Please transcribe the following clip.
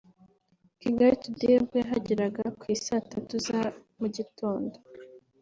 Kigali Today ubwo yahageraga ku i saa tatu za mu gitondo